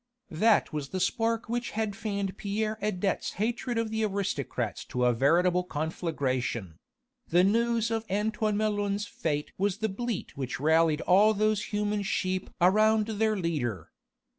That was the spark which had fanned Pierre Adet's hatred of the aristocrats to a veritable conflagration: the news of Antoine Melun's fate was the bleat which rallied all those human sheep around their leader.